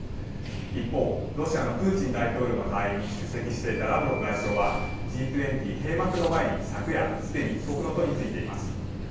一方、ロシアのプーチン大統領の代わりに出席していたラブロフ外相はＧ２０閉幕の前に昨夜、すでに帰国の途に就いています。